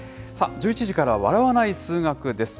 １１時からは笑わない数学です。